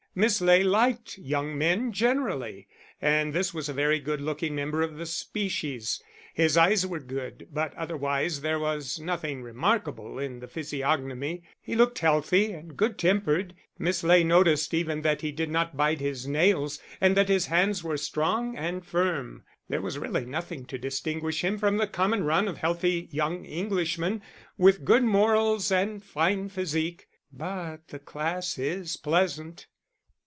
Miss Ley liked young men generally, and this was a very good looking member of the species. His eyes were good, but otherwise there was nothing remarkable in the physiognomy he looked healthy and good tempered. Miss Ley noticed even that he did not bite his nails, and that his hands were strong and firm. There was really nothing to distinguish him from the common run of healthy young Englishmen, with good morals and fine physique; but the class is pleasant.